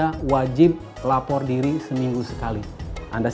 firman sahfitra tidak boleh mengeluarkan diri yangordner basket depois